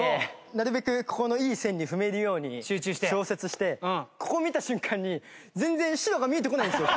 なるべくここのいい線に踏めるように調節してここ見た瞬間に全然白が見えてこないんですよ。